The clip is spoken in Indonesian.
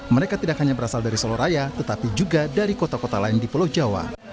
mereka tidak hanya berasal dari soloraya tetapi juga dari kota kota lain di pulau jawa